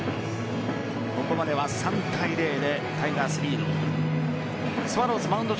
ここまでは３対０でタイガース、リード。